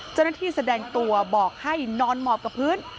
เจ้าหน้าที่แสดงตัวบอกให้นอนหมอบกับพื้น